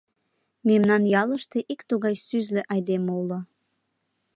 Мемнан ялыште ик тугай сӱзлӧ айдеме уло.